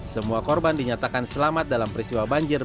semua korban dinyatakan selamat dalam peristiwa banjir